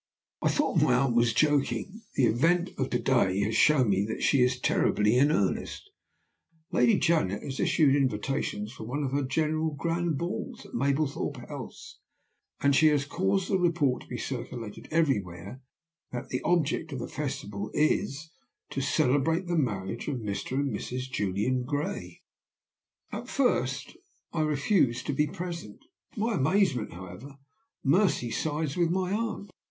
"I thought my aunt was joking. The event of to day has shown me that she is terribly in earnest. Lady Janet has issued invitations for one of her grand balls at Mablethorpe House; and sh e has caused the report to be circulated everywhere that the object of the festival is 'to celebrate the marriage of Mr. and Mrs. Julian Gray!' "I at first refused to be present. To my amazement, however, Mercy sides with my aunt.